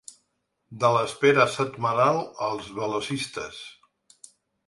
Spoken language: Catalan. De l’espera setmanal als ‘velocistes’